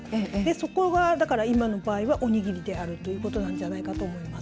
そこが今の場合はおにぎりであるということなんだと思います。